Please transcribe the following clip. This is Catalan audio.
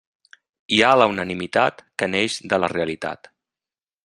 Hi ha la unanimitat que neix de la realitat.